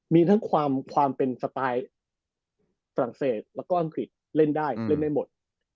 มีทั้งความเป็นสไตล์ฝรั่งเศสแล้วก็อังกฤษเล่นได้เล่นได้หมด